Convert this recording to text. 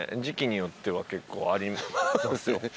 時季によっては結構ありますよ。